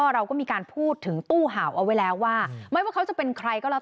เราก็มีการพูดถึงตู้เห่าเอาไว้แล้วว่าไม่ว่าเขาจะเป็นใครก็แล้ว